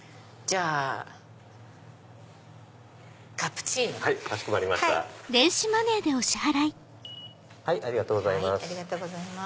ありがとうございます。